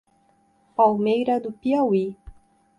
Palmeira do Piauí